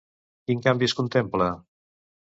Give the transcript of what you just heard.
Quin canvi es contempla?